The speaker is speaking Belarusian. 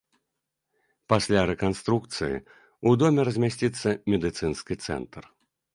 Пасля рэканструкцыі ў доме размясціцца медыцынскі цэнтр.